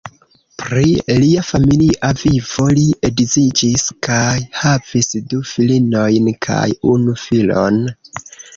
Pri lia familia vivo: li edziĝis kaj havis du filinojn kaj unu filon.